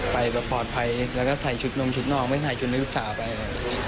ไปแบบปลอดภัยแล้วก็ใส่ชุดนมชุดนอกไม่ใส่ชุดให้ลูกสาวไป